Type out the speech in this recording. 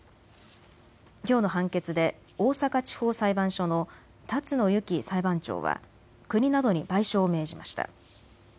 きょうの判決で大阪地方裁判所の達野ゆき裁判長は国などに賠償を命じました。